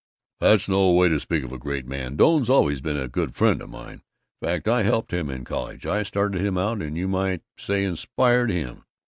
"That's no way to speak of a great man! Doane's always been a good friend of mine fact I helped him in college I started him out and you might say inspired him.